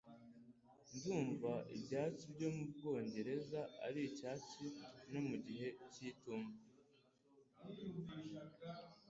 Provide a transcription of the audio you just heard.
Ndumva ibyatsi byo mubwongereza ari icyatsi no mu gihe cy'itumba